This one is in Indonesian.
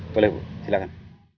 boleh bu silahkan